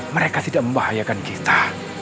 mereka tidak membahayakan kita